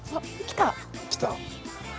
来た？